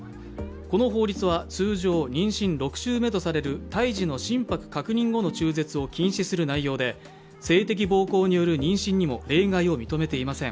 この法律は通常、妊娠６週目とされる胎児の心肺確認後の中絶を禁止する内容で、性的暴行による妊娠にも例外を認めていません。